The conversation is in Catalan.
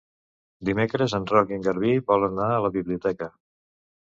Dimecres en Roc i en Garbí volen anar a la biblioteca.